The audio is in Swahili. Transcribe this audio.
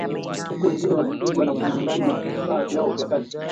huku wengine wakipigwa na kunyanganywa vifaa vyao vya kazi